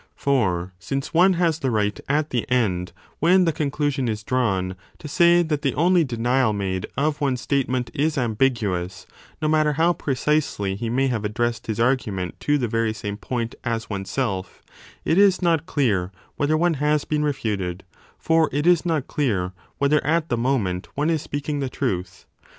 For since one has the right at the end, when the conclusion is drawn, to say that the only 5 denial made of one s statement is ambiguous, no matter how precisely he may have addressed his argument to the very same point as oneself, it is not clear whether one has been refuted : for it is not clear whether at the moment one is speaking the truth.